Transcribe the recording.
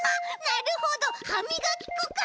なるほどはみがきこか！